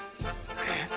「えっ！